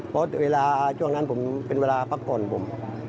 เพราะเวลาช่วงนั้นผมเป็นเวลาพักผ่อนผม